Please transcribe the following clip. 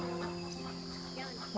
mau ngasih tempat bu